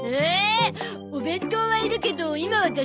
お弁当はいるけど今は出したくなーい。